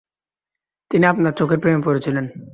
তিনি আপনার চোখের প্রেমে পড়েছিলেন।